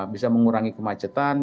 bisa mengurangi kemacetan